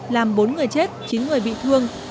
làm bốn người chết chín người bị thương